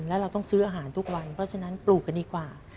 แล้วเราต้องซื้ออาหารทุกวันเพราะฉะนั้นปลูกกันดีกว่า